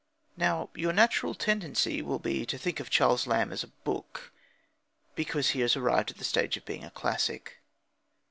Now, your natural tendency will be to think of Charles Lamb as a book, because he has arrived at the stage of being a classic.